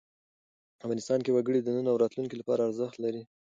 افغانستان کې وګړي د نن او راتلونکي لپاره ارزښت لري.